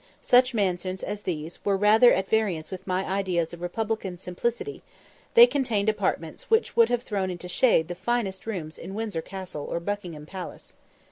Such mansions as these were rather at variance with my ideas of republican simplicity; they contained apartments which would have thrown into the shade the finest rooms in Windsor Castle or Buckingham Palace.